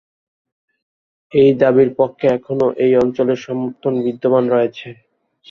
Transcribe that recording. এই দাবির পক্ষে এখনো এই অঞ্চলে সমর্থন বিদ্যমান রয়েছে।